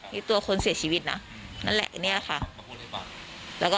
พี่ตัวคนเสียชีวิตนะนั่นแหละ